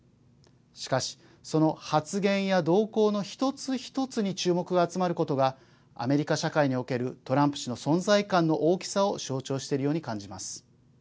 しかしその発言や動向の一つ一つに注目が集まることがアメリカ社会におけるトランプ氏の存在感の大きさを象徴しているように感じます。